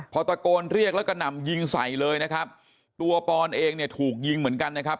พอตะโกนเรียกแล้วก็นำยิงใส่เลยนะครับตัวปอนเองเนี่ยถูกยิงเหมือนกันนะครับ